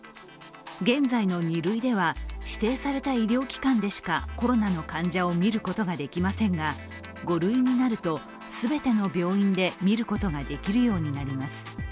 現在の２類では、指定された医療機関でしかコロナの患者を診ることができませんが５類になると全ての病院で診ることができるようになります。